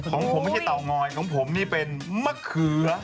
ของผมไม่ใช่เตางอยของผมนี่เป็นมะเขือ